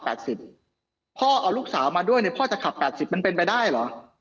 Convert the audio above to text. พ่อเอาลูกสาวมาด้วยเนี่ยพ่อจะขับ๘๐มันเป็นไปได้เหรอ